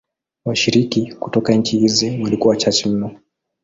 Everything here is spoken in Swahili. Washiriki kutoka nchi hizi walikuwa wachache mno.